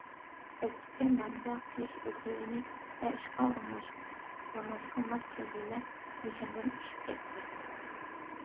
كەسىپكە مەبلەغ سېلىش كۆلىمى ۋە ئىشقا ئورۇنلاشقانلار كۆزلىمە نىشاندىن ئېشىپ كەتتى.